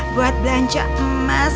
buat belanja emas